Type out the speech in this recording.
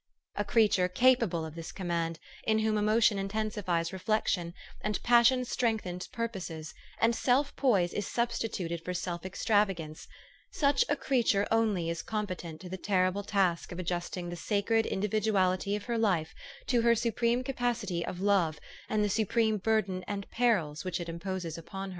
A creature capable of this command, in whom emotion intensifies reflection, and passion strength ens purposes, and self poise is substituted for self extravagance, such a creature only is competent to the terrible task of adjusting the sacred individ uality of her life to her supreme capacity of love and the supreme burden and perils which it imposes upon her.